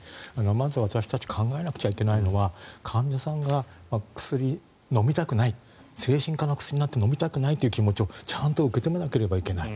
まず、私たち考えなくてはいけないのは患者さんが薬を飲みたくない精神科の薬なんて飲みたくないという気持ちをちゃんと受け止めなければいけない。